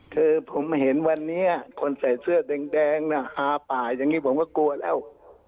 คือผมเห็นวันนี้คนใส่เสื้อแดงฮาป่าอย่างนี้ผมก็กลัวแล้ว